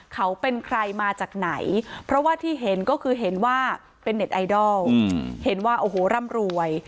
เขาเป็นใครมาจากไหนเพราะว่าที่เห็นก็คือเห็นว่าเป็นเน็ตไอดอลเห็นว่าโอ้โหร่ำรวย